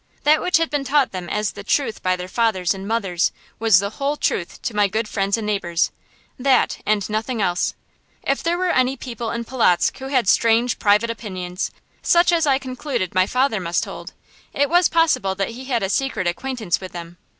That which had been taught them as the truth by their fathers and mothers was the whole truth to my good friends and neighbors that and nothing else. If there were any people in Polotzk who had strange private opinions, such as I concluded my father must hold, it was possible that he had a secret acquaintance with them.